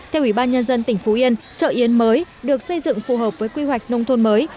theo ủy ban nhân dân tỉnh phú yên chợ yến mới được xây dựng phù hợp với quy hoạch nông thôn mới